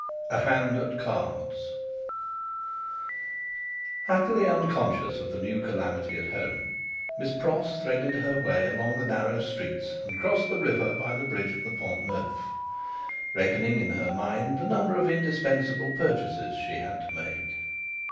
A Hand at Cards Happily unconscious of the new calamity at home, Miss Pross threaded her way along the narrow streets and crossed the river by the bridge of the Pont Neuf, reckoning in her mind the number of indispensable purchases she had to make.